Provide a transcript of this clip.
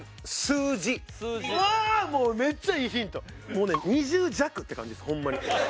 もうね２０弱って感じですホンマに。